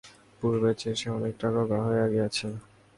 পূর্বের চেয়ে সে অনেকটা রোগা হইয়া গেছে।